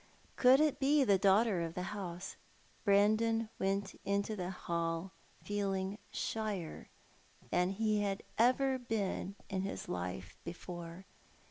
Could it be the daughter of the house ? Brandon went into the hall feeling shyer than he had ever been in his life before.